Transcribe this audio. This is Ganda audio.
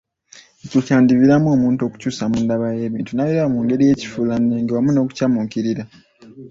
Ekyo kyandiviiramu omuntu okukyusa mu ndaba y'ebintu, n'abiraba mu ngeri ya kifuulannenge, wamu n'okukyamuukirira